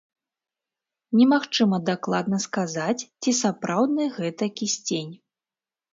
Немагчыма дакладна сказаць, ці сапраўдны гэты кісцень.